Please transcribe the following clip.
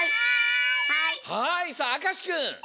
はいさああかしくん！